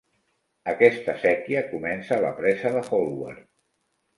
Aquesta séquia comença a la presa de Holwerd.